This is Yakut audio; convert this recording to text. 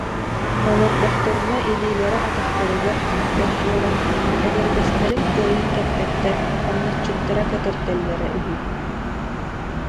Олордохторуна илиилэрэ атахтарыгар тиийбэт буолан, этэрбэстэрин кыайан кэппэттэр, хамначчыттара кэтэрдэллэрэ үһү